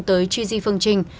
tới chi di phương trinh